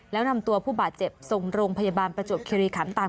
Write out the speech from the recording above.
แล้วนำตัวผู้บาดเจ็บส่งโรงพยาบาลประจวบคิริขันตาม